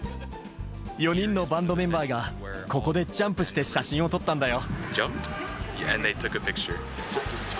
４人のバンドメンバーが、ここでジャンプして写真を撮ったんだよ。